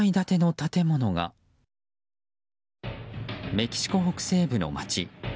メキシコ北西部の街。